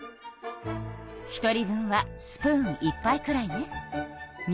１人分はスプーン１杯くらいね。